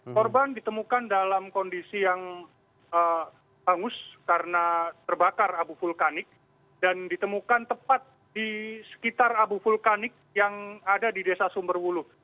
korban ditemukan dalam kondisi yang hangus karena terbakar abu vulkanik dan ditemukan tepat di sekitar abu vulkanik yang ada di desa sumberwuluh